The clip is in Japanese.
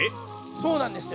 そうなんですよ。